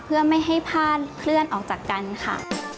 เพื่อไม่ให้พลาดเคลื่อนออกจากกันค่ะ